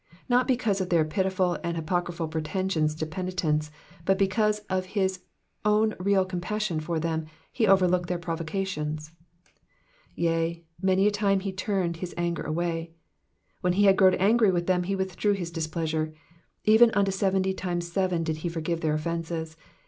Not because of their pitiful and hypocritical pretensions to penitence, but because ot his own real compassion for them be overlooked their provocations. ^^Tea, many a time turned he his angei away,'*'' When he had grown angry with them he withdrew his displeasure. Even unto seventy times seven did ho forgive their offences.